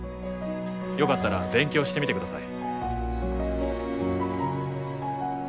よかったら勉強してみてください。